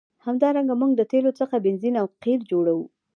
همدارنګه موږ له تیلو څخه بنزین او قیر جوړوو.